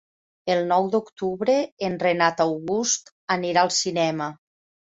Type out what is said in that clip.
El nou d'octubre en Renat August anirà al cinema.